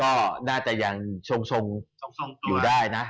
ก็น่าจะยังทรงอยู่ได้นะ